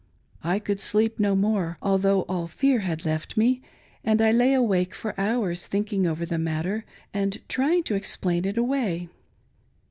I could sleep no more, although all fear had left me, and I lay awake for hours thinking over the matter and trying to explain it away.